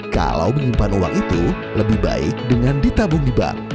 kalau menyimpan uang itu lebih baik dengan ditabung di bank